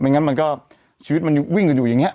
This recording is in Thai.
งั้นมันก็ชีวิตมันวิ่งกันอยู่อย่างนี้